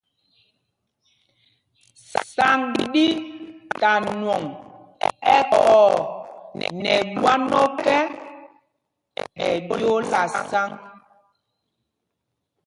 Sǎŋg ɗí ta nwɔŋ ɛkɔɔ nɛ mbwán ɔ́kɛ, ɛ ɓyōōla sǎŋg.